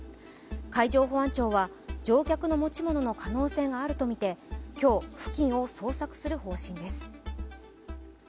海上保安庁は乗客の持ち物の可能性があるとみて今日、付近を捜索する方針です。